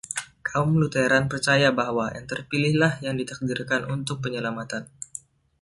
Kaum Lutheran percaya bahwa yang terpilih lah yang ditakdirkan untuk penyelamatan.